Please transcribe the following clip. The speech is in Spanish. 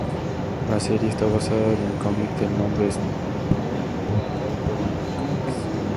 La serie está basada en el cómic del nombre Spawn publicado por Image Comics.